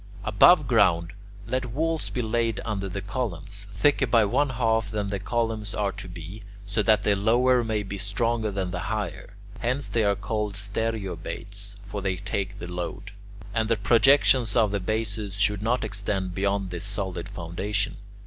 Above ground, let walls be laid under the columns, thicker by one half than the columns are to be, so that the lower may be stronger than the higher. Hence they are called "stereobates"; for they take the load. And the projections of the bases should not extend beyond this solid foundation.